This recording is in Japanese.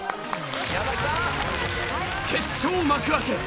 決勝幕開け。